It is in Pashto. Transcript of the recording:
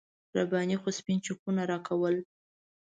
رباني خو سپین چکونه راکول.